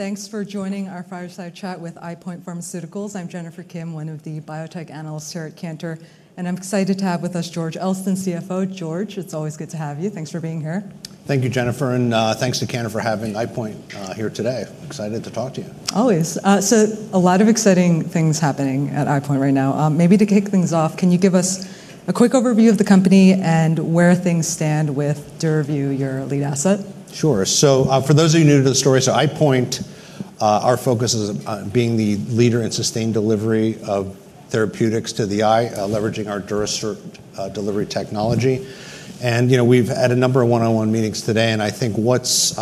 Thanks for joining our fireside chat with EyePoint Pharmaceuticals. I'm Jennifer Kim, one of the biotech analysts here at Cantor, and I'm excited to have with us George Elston, CFO. George, it's always good to have you. Thanks for being here. Thank you, Jennifer, and thanks to Cantor for having EyePoint here today. I'm excited to talk to you. Always. So a lot of exciting things happening at EyePoint right now. Maybe to kick things off, can you give us a quick overview of the company and where things stand with DURAVYU, your lead asset? Sure. So, for those of you new to the story, so EyePoint, our focus is on being the leader in sustained delivery of therapeutics to the eye, leveraging our Durasert delivery technology. And, you know, we've had a number of one-on-one meetings today, and I think what's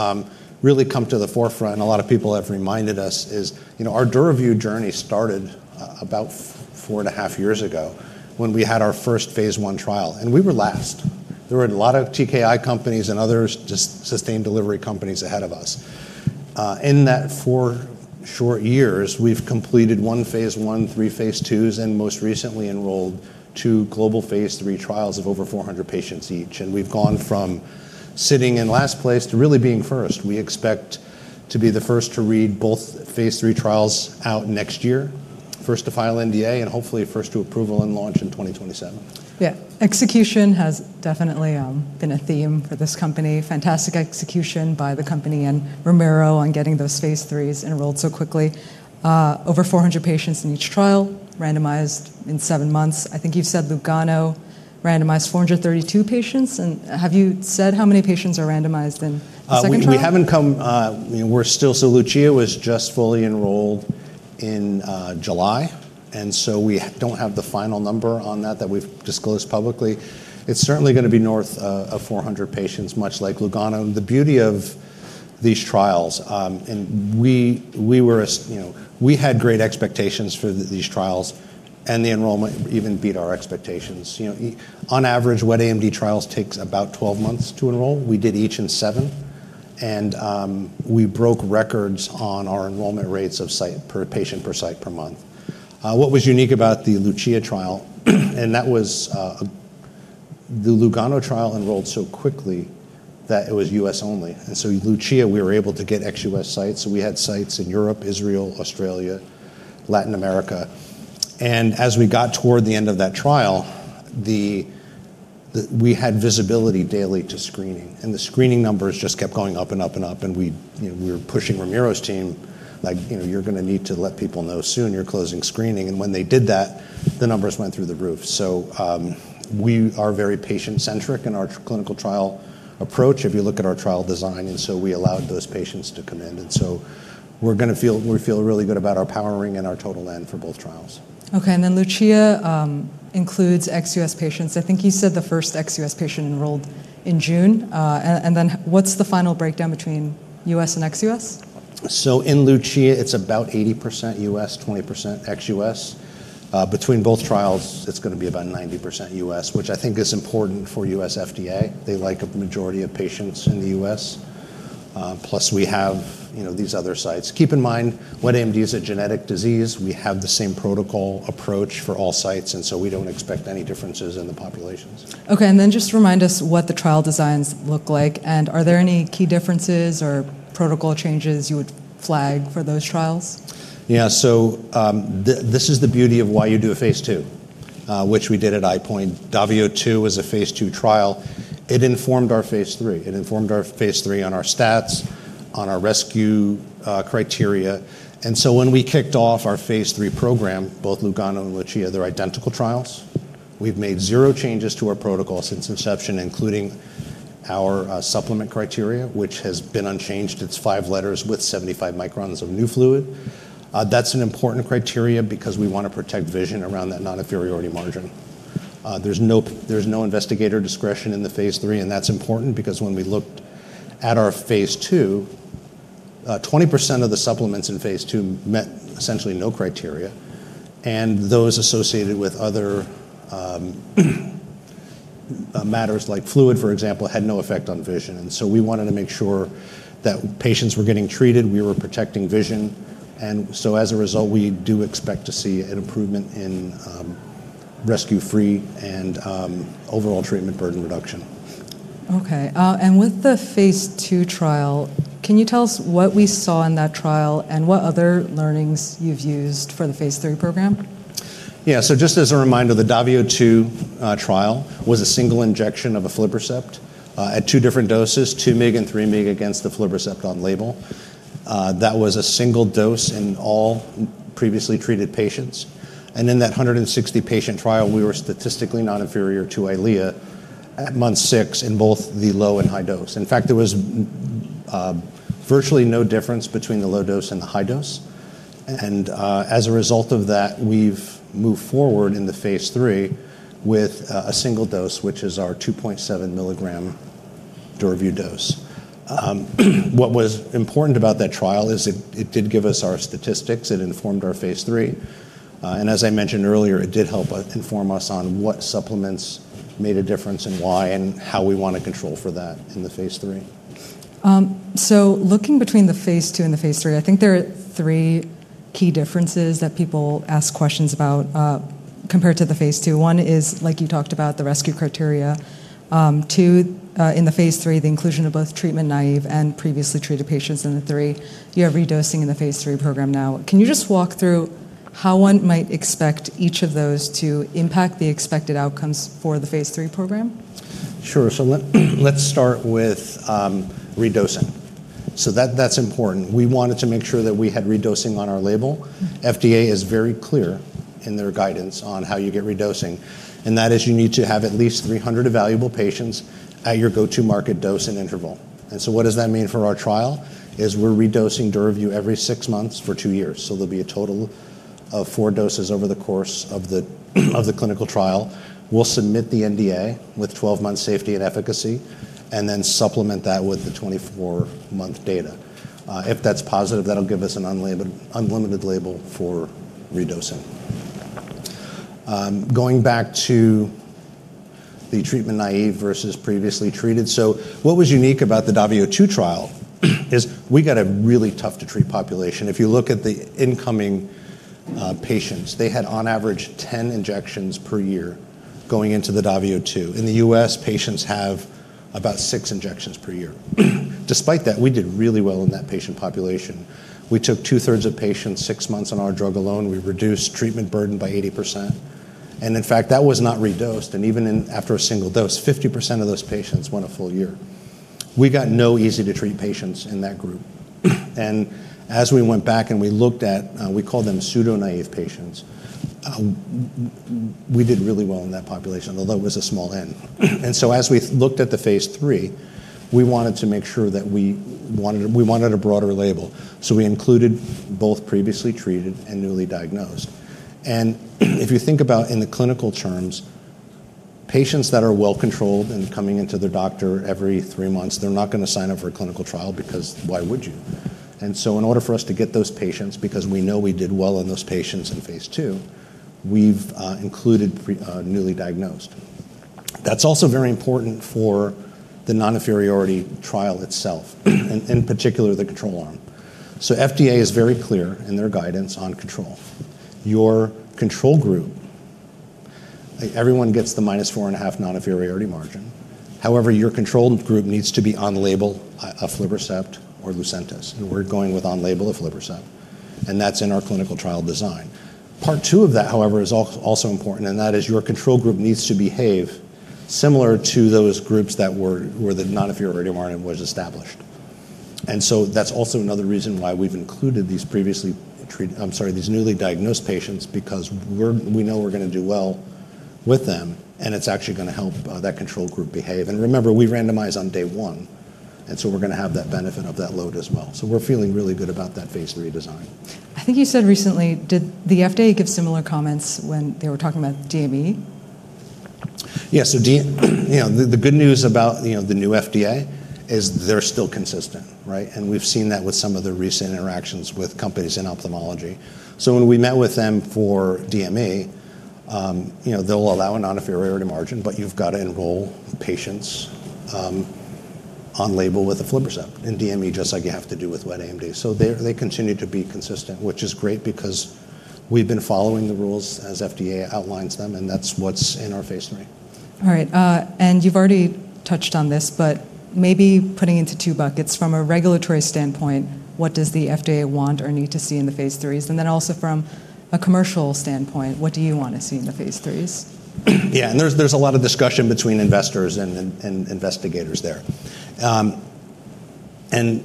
really come to the forefront, and a lot of people have reminded us, is, you know, our DURAVYU journey started about four and a half years ago when we had our first phase I trial, and we were last. There were a lot of TKI companies and others, just sustained delivery companies ahead of us. In that four short years, we've completed one phase I, three phase IIs, and most recently enrolled two global phase III trials of over four hundred patients each, and we've gone from sitting in last place to really being first. We expect to be the first to read both phase III trials out next year, first to file NDA and hopefully first to approval and launch in 2027. Yeah. Execution has definitely been a theme for this company. Fantastic execution by the company and Ramiro on getting those phase IIIs enrolled so quickly. Over 400 patients in each trial, randomized in seven months. I think you've said LUGANO randomized 432 patients, and have you said how many patients are randomized in the second trial? We haven't come. We're still. So LUCIA was just fully enrolled in July, and so we don't have the final number on that that we've disclosed publicly. It's certainly gonna be north of 400 patients, much like LUGANO. The beauty of these trials, and we were, you know. We had great expectations for these trials, and the enrollment even beat our expectations. You know, on average, wet AMD trials take about 12 months to enroll. We did each in 7, and we broke records on our enrollment rates of site, per patient per site, per month. What was unique about the LUCIA trial, and that was, the LUGANO trial enrolled so quickly that it was U.S. only. LUCIA, we were able to get ex-U.S. sites, so we had sites in Europe, Israel, Australia, Latin America. As we got toward the end of that trial, the we had visibility daily to screening, and the screening numbers just kept going up and up and up, and we, you know, we were pushing Ramiro's team, like: "You know, you're gonna need to let people know soon you're closing screening." When they did that, the numbers went through the roof. We are very patient-centric in our clinical trial approach if you look at our trial design, and so we allowed those patients to come in. We feel really good about our powering and our total N for both trials. Okay, and then LUCIA includes ex-U.S. patients. I think you said the first ex-U.S. patient enrolled in June. Then what's the final breakdown between U.S. and ex-U.S.? So in LUCIA, it's about 80% U.S., 20% ex-U.S. Between both trials, it's gonna be about 90% U.S., which I think is important for U.S. FDA. They like a majority of patients in the U.S. Plus we have, you know, these other sites. Keep in mind, wet AMD is a genetic disease. We have the same protocol approach for all sites, and so we don't expect any differences in the populations. Okay, and then just remind us what the trial designs look like, and are there any key differences or protocol changes you would flag for those trials? Yeah, so, this is the beauty of why you do a phase II, which we did at EyePoint. DAVIO 2 was a phase II trial. It informed our phase III. It informed our phase III on our stats, on our rescue criteria. And so when we kicked off our phase III program, both LUGANO and LUCIA, they're identical trials. We've made zero changes to our protocol since inception, including our rescue criteria, which has been unchanged. It's five letters with 75 microns of new fluid. That's an important criteria because we want to protect vision around that non-inferiority margin. There's no investigator discretion in the phase III, and that's important because when we looked at our phase II, 20% of the supplements in phase II met essentially no criteria, and those associated with other matters like fluid, for example, had no effect on vision, so we wanted to make sure that patients were getting treated, we were protecting vision, and so as a result, we do expect to see an improvement in rescue-free and overall treatment burden reduction. Okay, and with the phase II trial, can you tell us what we saw in that trial and what other learnings you've used for the phase III program? Yeah, so just as a reminder, the DAVIO 2 trial was a single injection of aflibercept at two different doses, two mg and three mg, against the aflibercept on label. That was a single dose in all previously treated patients. And in that 160-patient trial, we were statistically non-inferior to Eylea at month six in both the low and high dose. In fact, there was virtually no difference between the low dose and the high dose. And as a result of that, we've moved forward in the phase III with a single dose, which is our 2.7 mg DURAVYU dose. What was important about that trial is it did give us our statistics. It informed our phase III. As I mentioned earlier, it did help inform us on what supplements made a difference and why, and how we want to control for that in the phase III. So looking between the phase II and the phase III, I think there are three key differences that people ask questions about. Compared to the phase II. One is, like you talked about, the rescue criteria. Two, in the phase III, the inclusion of both treatment-naive and previously treated patients. And then three, you have redosing in the phase III program now. Can you just walk through how one might expect each of those to impact the expected outcomes for the phase III program? Sure, so let's start with redosing. So that's important. We wanted to make sure that we had redosing on our label. FDA is very clear in their guidance on how you get redosing, and that is you need to have at least 300 evaluable patients at your go-to-market dose and interval. And so what does that mean for our trial? It is we're redosing DURAVYU every six months for two years, so there'll be a total of four doses over the course of the clinical trial. We'll submit the NDA with 12-month safety and efficacy, and then supplement that with the 24-month data. If that's positive, that'll give us an unlimited label for redosing. Going back to the treatment-naive versus previously treated, so what was unique about the DAVIO 2 trial is we got a really tough-to-treat population. If you look at the incoming patients, they had on average 10 injections per year going into the DAVIO 2. In the U.S., patients have about six injections per year. Despite that, we did really well in that patient population. We took 2/3 of patients six months on our drug alone. We reduced treatment burden by 80%, and in fact, that was not redosed, and even after a single dose, 50% of those patients went a full year. We got no easy-to-treat patients in that group. And as we went back and we looked at, we call them pseudo-naive patients, we did really well in that population, although it was a small n. And so as we looked at the phase III, we wanted to make sure that we wanted a broader label, so we included both previously treated and newly diagnosed. And if you think about in the clinical terms, patients that are well-controlled and coming into their doctor every three months, they're not gonna sign up for a clinical trial because why would you? And so in order for us to get those patients, because we know we did well on those patients in phase II, we've included newly diagnosed. That's also very important for the non-inferiority trial itself, in particular, the control arm. So FDA is very clear in their guidance on control. Your control group, everyone gets the minus four and a half non-inferiority margin. However, your control group needs to be on-label, aflibercept or LUCENTIS, and we're going with on-label aflibercept, and that's in our clinical trial design. Part two of that, however, is also important, and that is your control group needs to behave similar to those groups that were where the non-inferiority margin was established. And so that's also another reason why we've included these previously treated-- I'm sorry, these newly diagnosed patients, because we're, we know we're gonna do well with them, and it's actually gonna help that control group behave. And remember, we randomize on day one, and so we're gonna have that benefit of that load as well. So we're feeling really good about that phase III design. I think you said recently, did the FDA give similar comments when they were talking about DME? Yeah, so you know, the good news about the new FDA is they're still consistent, right? We've seen that with some of the recent interactions with companies in ophthalmology. When we met with them for DME, you know, they'll allow a non-inferiority margin, but you've got to enroll patients on label with aflibercept and DME, just like you have to do with wet AMD. They continue to be consistent, which is great because we've been following the rules as FDA outlines them, and that's what's in our phase III. All right, and you've already touched on this, but maybe putting into two buckets, from a regulatory standpoint, what does the FDA want or need to see in the Phase IIIs, and then also from a commercial standpoint, what do you want to see in the Phase IIIs? Yeah, and there's a lot of discussion between investors and investigators there. And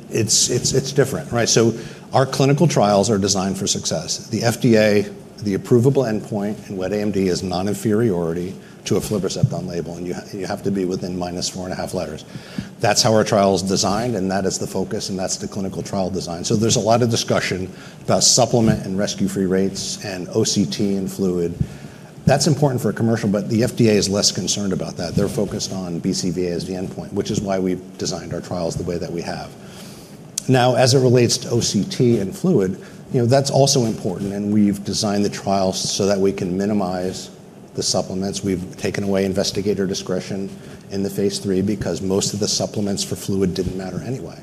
it's different, right? So our clinical trials are designed for success. The FDA, the approvable endpoint in wet AMD is non-inferiority to aflibercept on label, and you have to be within minus four and a half letters. That's how our trial is designed, and that is the focus, and that's the clinical trial design. So there's a lot of discussion about supplement and rescue-free rates and OCT and fluid. That's important for a commercial, but the FDA is less concerned about that. They're focused on BCVA as the endpoint, which is why we've designed our trials the way that we have. Now, as it relates to OCT and fluid, you know, that's also important, and we've designed the trials so that we can minimize the supplements. We've taken away investigator discretion in the phase III because most of the supplements for fluid didn't matter anyway.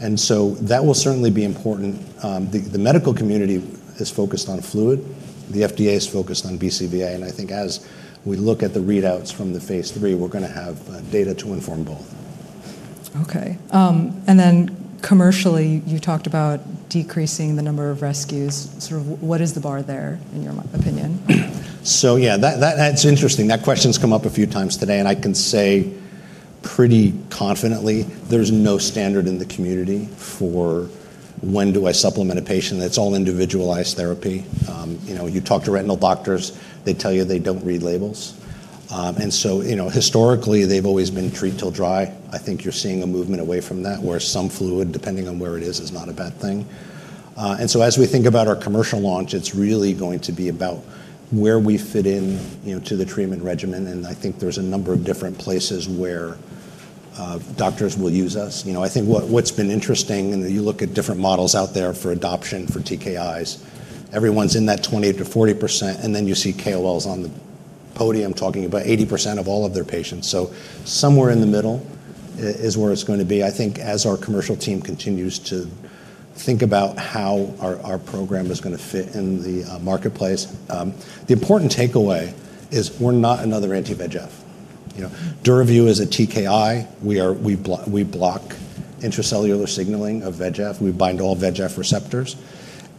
And so that will certainly be important. The medical community is focused on fluid. The FDA is focused on BCVA, and I think as we look at the readouts from the phase III, we're gonna have data to inform both. Okay, and then commercially, you talked about decreasing the number of rescues. Sort of, what is the bar there, in your opinion? So yeah, that's interesting. That question's come up a few times today, and I can say pretty confidently there's no standard in the community for when do I supplement a patient? That's all individualized therapy. You know, you talk to retinal doctors, they tell you they don't read labels. And so, you know, historically, they've always been treat till dry. I think you're seeing a movement away from that, where some fluid, depending on where it is, is not a bad thing. And so as we think about our commercial launch, it's really going to be about where we fit in, you know, to the treatment regimen, and I think there's a number of different places where doctors will use us. You know, I think what's been interesting, and you look at different models out there for adoption, for TKIs, everyone's in that 20% to 40%, and then you see KOLs on the podium talking about 80% of all of their patients. So somewhere in the middle is where it's going to be, I think, as our commercial team continues to think about how our program is gonna fit in the marketplace. The important takeaway is we're not another anti-VEGF. You know, DURAVYU is a TKI. We block intracellular signaling of VEGF. We bind all VEGF receptors,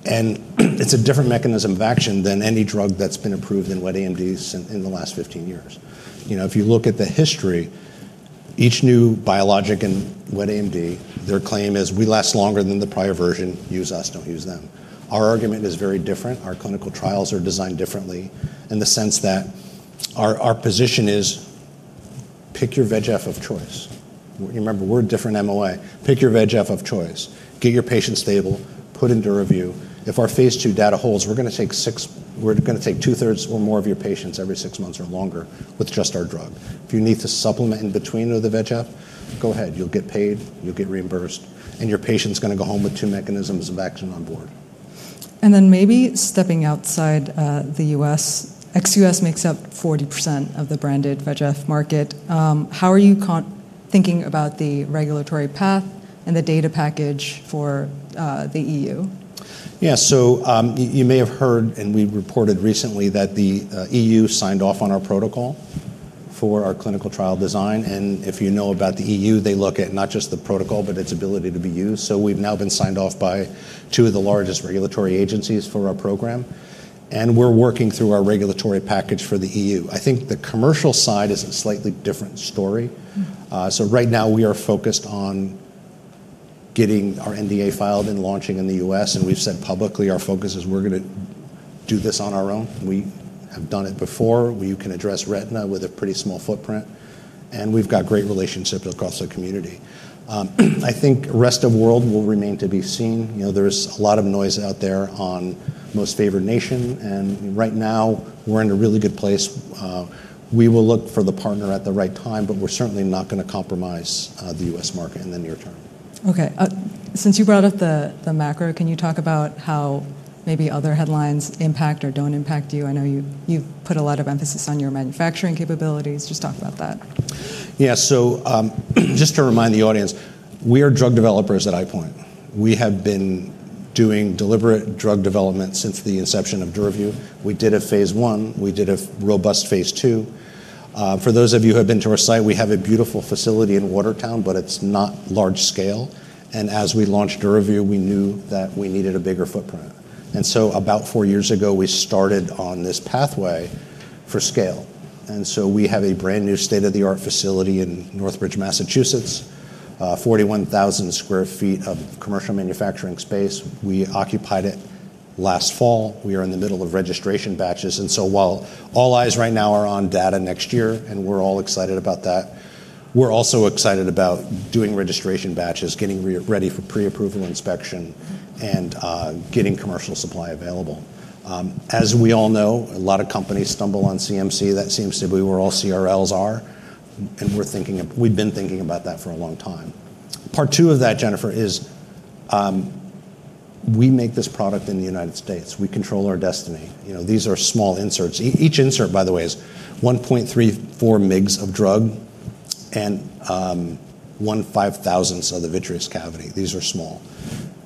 and it's a different mechanism of action than any drug that's been approved in wet AMD in the last 15 years. You know, if you look at the history, each new biologic in wet AMD, their claim is, "We last longer than the prior version. Use us, don't use them." Our argument is very different. Our clinical trials are designed differently in the sense that our position is, pick your VEGF of choice. Remember, we're a different MOA. Pick your VEGF of choice. Get your patient stable, put in DURAVYU. If our phase two data holds, we're gonna take 2/3 or more of your patients every six months or longer with just our drug. If you need to supplement in between with a VEGF, go ahead. You'll get paid, you'll get reimbursed, and your patient's gonna go home with two mechanisms of action on board. Maybe stepping outside the U.S. Ex-U.S. makes up 40% of the branded VEGF market. How are you thinking about the regulatory path and the data package for the E.U.? Yeah, so, you may have heard, and we reported recently, that the EU signed off on our protocol for our clinical trial design, and if you know about the EU, they look at not just the protocol, but its ability to be used. So we've now been signed off by two of the largest regulatory agencies for our program, and we're working through our regulatory package for the EU. I think the commercial side is a slightly different story. So right now, we are focused on getting our NDA filed and launching in the U.S., and we've said publicly our focus is we're gonna do this on our own. We have done it before. We can address retina with a pretty small footprint, and we've got great relationships across the community. I think rest of world will remain to be seen. You know, there's a lot of noise out there on most favored nation, and right now, we're in a really good place. We will look for the partner at the right time, but we're certainly not gonna compromise the U.S. market in the near term. Okay, since you brought up the macro, can you talk about how maybe other headlines impact or don't impact you? I know you, you've put a lot of emphasis on your manufacturing capabilities. Just talk about that. Yeah, so, just to remind the audience, we are drug developers at EyePoint. We have been doing deliberate drug development since the inception of DURAVYU. We did a phase one. We did a robust phase two. For those of you who have been to our site, we have a beautiful facility in Watertown, but it's not large scale, and as we launched DURAVYU, we knew that we needed a bigger footprint. And so about four years ago, we started on this pathway for scale, and so we have a brand-new state-of-the-art facility in Northbridge, Massachusetts, 41,000 sq ft of commercial manufacturing space. We occupied it last fall. We are in the middle of registration batches, and so while all eyes right now are on data next year, and we're all excited about that, we're also excited about doing registration batches, getting ready for pre-approval inspection and getting commercial supply available. As we all know, a lot of companies stumble on CMC. That seems to be where all CRLs are, and we've been thinking about that for a long time. Part two of that, Jennifer, is we make this product in the United States. We control our destiny. You know, these are small inserts. Each insert, by the way, is one point three four mgs of drug and one five-thousandths of the vitreous cavity. These are small.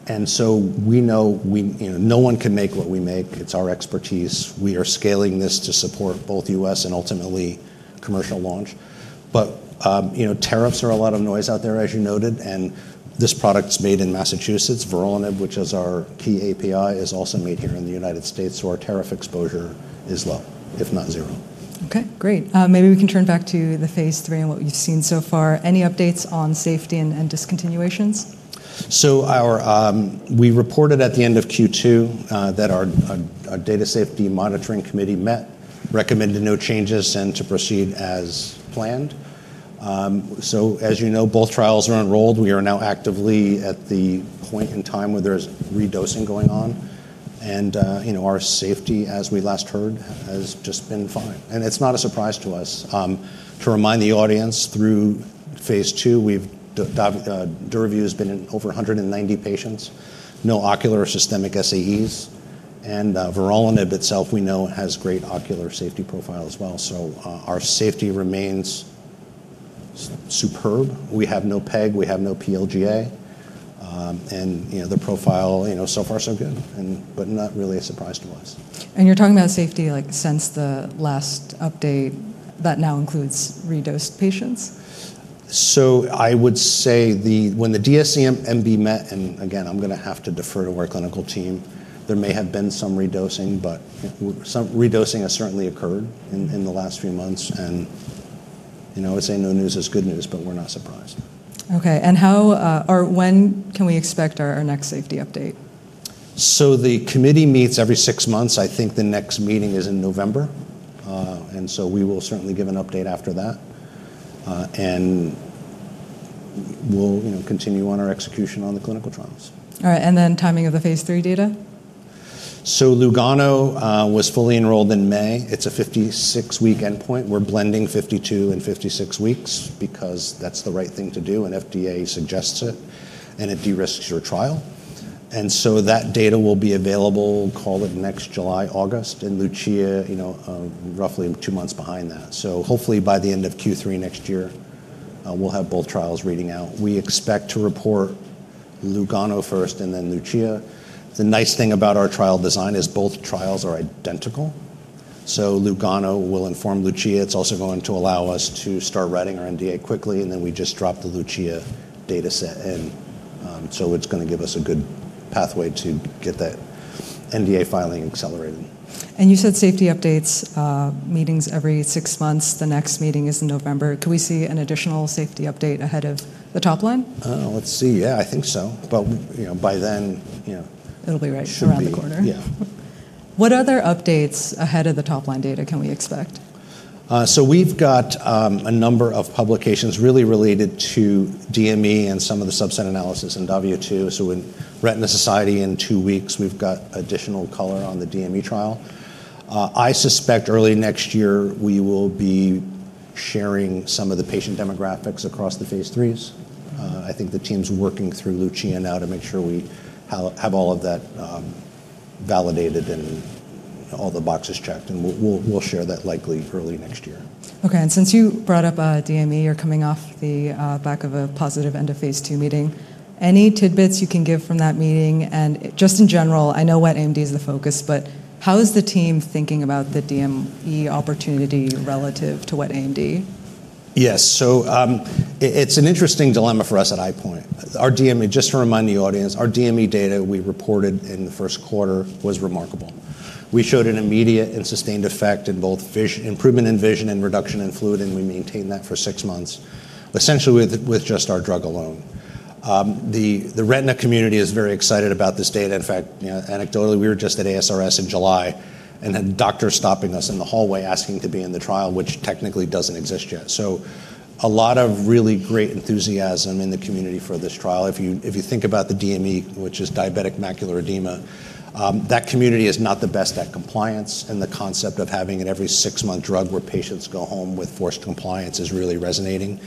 And so we know we, you know, no one can make what we make. It's our expertise. We are scaling this to support both U.S. and ultimately commercial launch. But you know, tariffs are a lot of noise out there, as you noted, and this product's made in Massachusetts. Vorolanib, which is our key API, is also made here in the United States, so our tariff exposure is low, if not zero. Okay, great. Maybe we can turn back to the phase III and what you've seen so far. Any updates on safety and discontinuations? We reported at the end of Q2 that our data safety monitoring committee met, recommended no changes, and to proceed as planned. So as you know, both trials are enrolled. We are now actively at the point in time where there's redosing going on, and you know, our safety, as we last heard, has just been fine, and it's not a surprise to us. To remind the audience, through phase two, we've DURAVYU has been in over 190 patients, no ocular or systemic SAEs, and vorolanib itself, we know, has great ocular safety profile as well. So our safety remains superb. We have no PEG, we have no PLGA, and you know, the profile, you know, so far, so good, and but not really a surprise to us. You're talking about safety, like, since the last update. That now includes redosed patients? I would say when the DSMB met, and again, I'm gonna have to defer to our clinical team, there may have been some redosing, but some redosing has certainly occurred in the last few months. You know, I would say no news is good news, but we're not surprised. Okay, and how, or when can we expect our next safety update? So the committee meets every six months. I think the next meeting is in November. And so we will certainly give an update after that. And we'll, you know, continue on our execution on the clinical trials. All right, and then timing of the phase III data? So LUGANO was fully enrolled in May. It's a 56-week endpoint. We're blending 52 and 56 weeks because that's the right thing to do, and FDA suggests it, and it de-risks your trial, and so that data will be available, call it next July, August, and LUCIA, you know, roughly two months behind that. So hopefully by the end of Q3 next year, we'll have both trials reading out. We expect to report LUGANO first and then LUCIA. The nice thing about our trial design is both trials are identical, so LUGANO will inform LUCIA. It's also going to allow us to start writing our NDA quickly, and then we just drop the LUCIA data set in. So it's gonna give us a good pathway to get that NDA filing accelerated. You said safety updates, meetings every six months. The next meeting is in November. Could we see an additional safety update ahead of the top line? Let's see. Yeah, I think so. But, you know, by then, you know- It'll be right around the corner. Should be, yeah. What other updates ahead of the top-line data can we expect? So we've got a number of publications really related to DME and some of the subset analysis in DAVIO 2. In Retina Society in two weeks, we've got additional color on the DME trial. I suspect early next year we will be sharing some of the patient demographics across the phase IIIs. I think the team's working through LUCIA now to make sure we have all of that validated and all the boxes checked, and we'll share that likely early next year. Okay, and since you brought up DME, you're coming off the back of a positive end of phase II meeting. Any tidbits you can give from that meeting? And just in general, I know wet AMD is the focus, but how is the team thinking about the DME opportunity relative to wet AMD? Yes, so, it's an interesting dilemma for us at EyePoint. Just to remind the audience, our DME data we reported in the first quarter was remarkable. We showed an immediate and sustained effect in both improvement in vision and reduction in fluid, and we maintained that for six months, essentially with just our drug alone. The retina community is very excited about this data. In fact, you know, anecdotally, we were just at ASRS in July, and had doctors stopping us in the hallway asking to be in the trial, which technically doesn't exist yet, so a lot of really great enthusiasm in the community for this trial. If you think about the DME, which is diabetic macular edema, that community is not the best at compliance, and the concept of having an every six-month drug where patients go home with forced compliance is really resonating.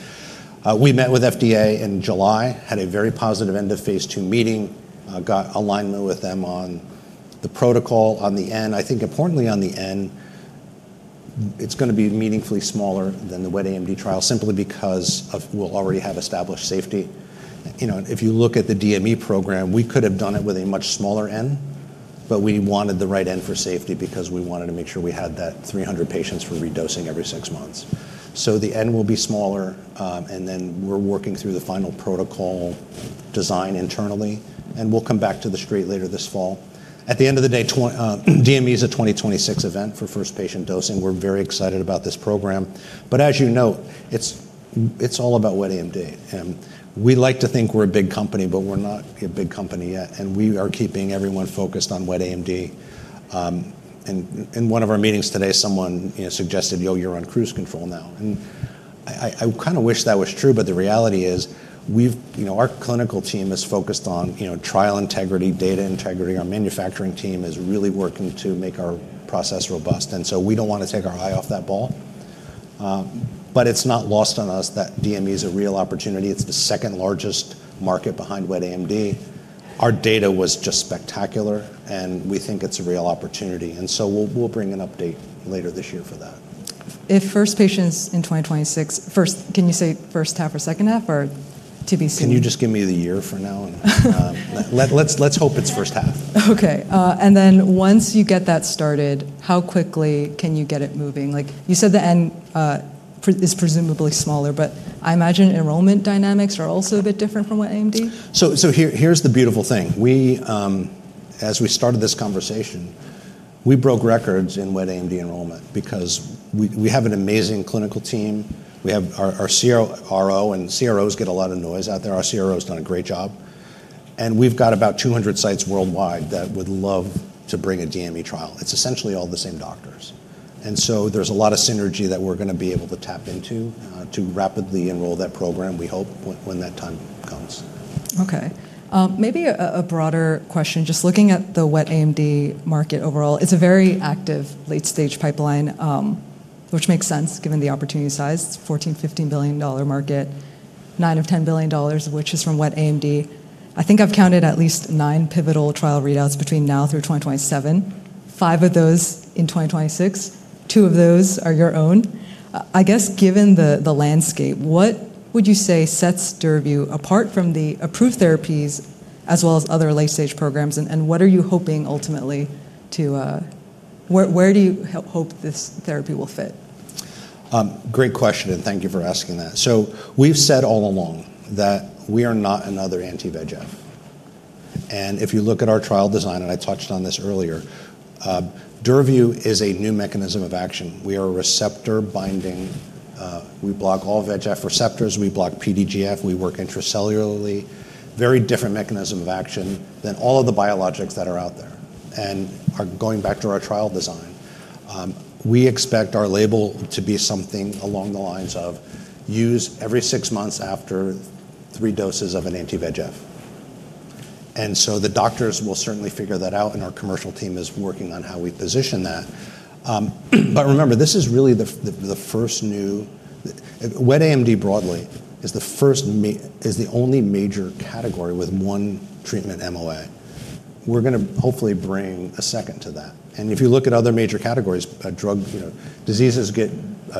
We met with FDA in July, had a very positive end-of-phase II meeting, got alignment with them on the protocol, on the N. I think importantly on the N, it's gonna be meaningfully smaller than the wet AMD trial simply because we'll already have established safety. You know, if you look at the DME program, we could have done it with a much smaller N, but we wanted the right N for safety because we wanted to make sure we had that 300 patients for redosing every six months. So the N will be smaller, and then we're working through the final protocol design internally, and we'll come back to the street later this fall. At the end of the day, DME is a 2026 event for first patient dosing. We're very excited about this program, but as you note, it's all about wet AMD, and we like to think we're a big company, but we're not a big company yet, and we are keeping everyone focused on wet AMD. And in one of our meetings today, someone, you know, suggested, "Yo, you're on cruise control now," and I kind of wish that was true, but the reality is, we've, you know, our clinical team is focused on, you know, trial integrity, data integrity. Our manufacturing team is really working to make our process robust, and so we don't want to take our eye off that ball, but it's not lost on us that DME is a real opportunity. It's the second-largest market behind wet AMD. Our data was just spectacular, and we think it's a real opportunity, and so we'll bring an update later this year for that. If first patients in 2026, can you say first half or second half, or TBC? Can you just give me the year for now, and let's hope it's first half. Okay, and then once you get that started, how quickly can you get it moving? Like, you said the N is presumably smaller, but I imagine enrollment dynamics are also a bit different from wet AMD. So here, here's the beautiful thing. We as we started this conversation, we broke records in wet AMD enrollment because we have an amazing clinical team. We have our CRO, and CROs get a lot of noise out there. Our CRO has done a great job, and we've got about 200 sites worldwide that would love to bring a DME trial. It's essentially all the same doctors. And so there's a lot of synergy that we're gonna be able to tap into to rapidly enroll that program, we hope, when that time comes. Okay, maybe a broader question. Just looking at the wet AMD market overall, it's a very active late-stage pipeline, which makes sense given the opportunity size, $14 billion-$15 billion market, $9 billion of $10 billion, which is from wet AMD. I think I've counted at least nine pivotal trial readouts between now through 2027, five of those in 2026. Two of those are your own. I guess given the landscape, what would you say sets DURAVYU apart from the approved therapies as well as other late-stage programs, and what are you hoping ultimately to... Where do you hope this therapy will fit? Great question, and thank you for asking that. So we've said all along that we are not another anti-VEGF. And if you look at our trial design, and I touched on this earlier, DURAVYU is a new mechanism of action. We are a receptor binding, we block all VEGF receptors, we block PDGF, we work intracellularly. Very different mechanism of action than all of the biologics that are out there. And, going back to our trial design, we expect our label to be something along the lines of, "Use every six months after three doses of an anti-VEGF." And so the doctors will certainly figure that out, and our commercial team is working on how we position that. But remember, this is really the first new... Wet AMD broadly is the only major category with one treatment MOA. We're gonna hopefully bring a second to that. And if you look at other major categories, you know, diseases get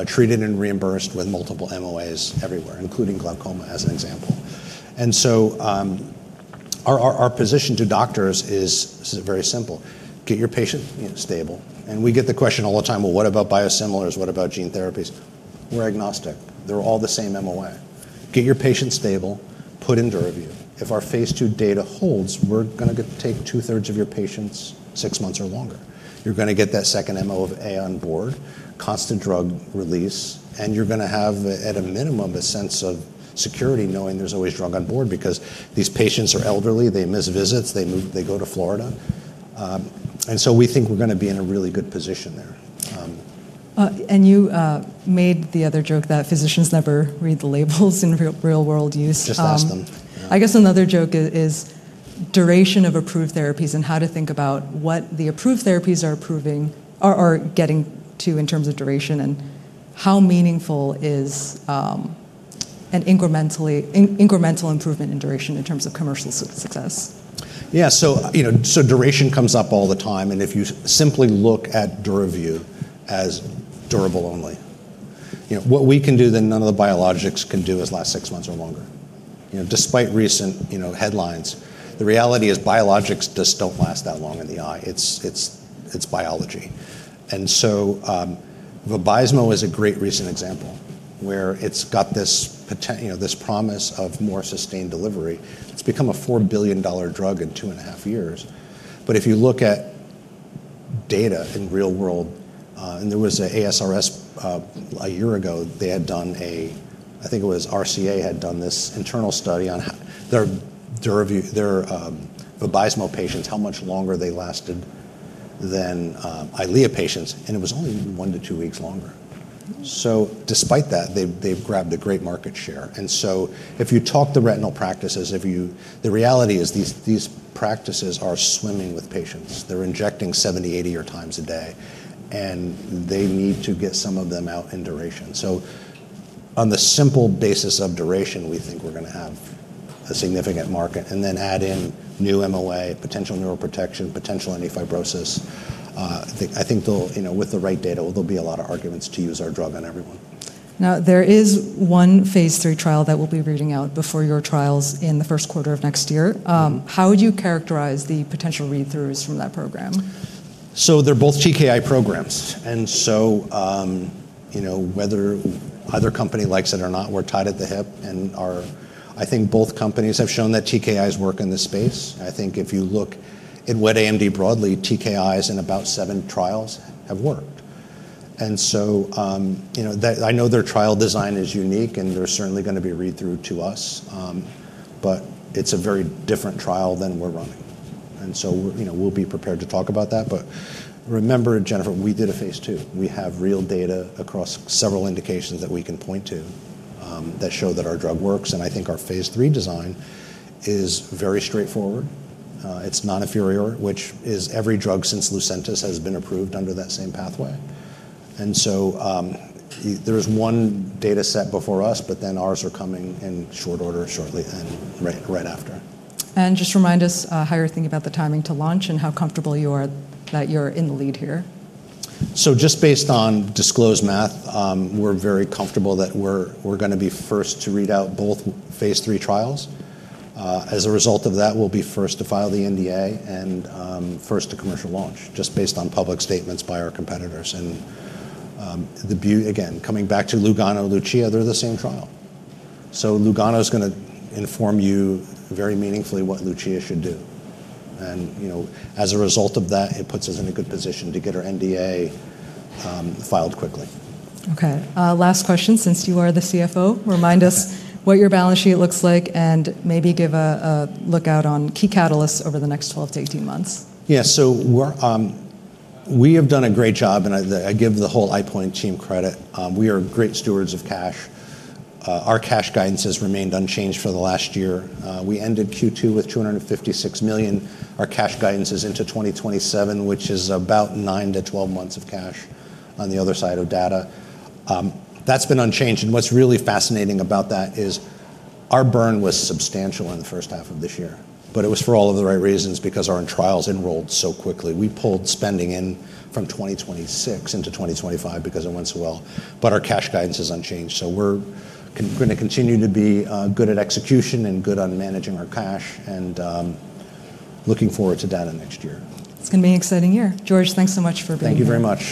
treated and reimbursed with multiple MOAs everywhere, including glaucoma, as an example. And so, our position to doctors is, this is very simple: get your patient, you know, stable. And we get the question all the time, "Well, what about biosimilars? What about gene therapies?" We're agnostic. They're all the same MOA. Get your patient stable, put in DURAVYU. If our phase II data holds, we're gonna take two-thirds of your patients six months or longer. You're gonna get that second MOA on board, constant drug release, and you're gonna have, at a minimum, a sense of security knowing there's always drug on board because these patients are elderly, they miss visits, they move, they go to Florida, and so we think we're gonna be in a really good position there. And you made the other joke that physicians never read the labels in real, real world use. Just ask them. I guess another joke is duration of approved therapies and how to think about what the approved therapies are approving, or getting to in terms of duration, and how meaningful is an incremental improvement in duration in terms of commercial success? Yeah, so, you know, so duration comes up all the time, and if you simply look at DURAVYU as durable only, you know, what we can do that none of the biologics can do is last six months or longer. You know, despite recent, you know, headlines, the reality is biologics just don't last that long in the eye. It's biology. And so, VABYSMO is a great recent example, where it's got this promise of more sustained delivery. It's become a $4 billion drug in two and a half years. But if you look at data in real world, and there was a ASRS a year ago, they had done a, I think it was RCA, had done this internal study on their VABYSMO patients, how much longer they lasted than Eylea patients, and it was only one to two weeks longer. Despite that, they've grabbed a great market share. If you talk to retinal practices, the reality is these practices are swimming with patients. They're injecting 70x, 80x a day, and they need to get some of them out in duration. On the simple basis of duration, we think we're gonna have a significant market, and then add in new MOA, potential neuroprotection, potential anti-fibrosis. I think they'll, you know, with the right data, there'll be a lot of arguments to use our drug on everyone. Now, there is one phase III trial that will be reading out before your trials in the first quarter of next year. How would you characterize the potential read-throughs from that program? So they're both TKI programs, and so, you know, whether other company likes it or not, we're tied at the hip and I think both companies have shown that TKIs work in this space. I think if you look in wet AMD broadly, TKIs in about seven trials have worked. And so, you know, they, I know their trial design is unique, and they're certainly gonna be read through to us, but it's a very different trial than we're running. And so, you know, we'll be prepared to talk about that. But remember, Jennifer, we did a phase II. We have real data across several indications that we can point to that show that our drug works, and I think our phase III design is very straightforward. It's non-inferior, which is every drug since LUCENTIS has been approved under that same pathway. There is one data set before us, but then ours are coming in short order shortly right after. And just remind us, how you're thinking about the timing to launch and how comfortable you are that you're in the lead here? So just based on disclosed math, we're very comfortable that we're gonna be first to read out both phase III trials. As a result of that, we'll be first to file the NDA and first to commercial launch, just based on public statements by our competitors. And again, coming back to LUGANO, LUCIA, they're the same trial. So LUGANO's gonna inform you very meaningfully what LUCIA should do. And you know, as a result of that, it puts us in a good position to get our NDA filed quickly. Okay, last question, since you are the CFO, remind us what your balance sheet looks like and maybe give a outlook on key catalysts over the next 12-18 months. Yeah. So we're, we have done a great job, and I give the whole EyePoint team credit. We are great stewards of cash. Our cash guidance has remained unchanged for the last year. We ended Q2 with $256 million. Our cash guidance is into 2027, which is about 9 to 12 months of cash on the other side of data. That's been unchanged, and what's really fascinating about that is, our burn was substantial in the first half of this year, but it was for all of the right reasons, because our trials enrolled so quickly. We pulled spending in from 2026 into 2025 because it went so well, but our cash guidance is unchanged, so we're gonna continue to be good at execution and good on managing our cash and looking forward to data next year. It's gonna be an exciting year. George, thanks so much for being here. Thank you very much.